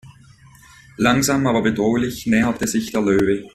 Langsam aber bedrohlich näherte sich der Löwe.